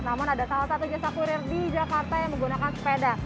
namun ada salah satu jasa kurir di jakarta yang menggunakan sepeda